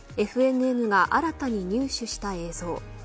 ＦＮＮが新たに入手した映像。